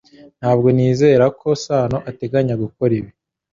Ntabwo nizera ko Sano ateganya gukora ibi